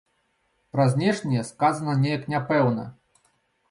Пра знешнія сказана неяк няпэўна.